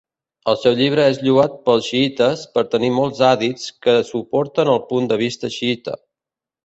El seu llibre és lloat pels xiïtes per tenir molts hadits que suporten el punt de vista xiïta.